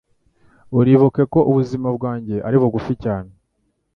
Uribuke ko ubuzima bwanjye ari bugufi cyane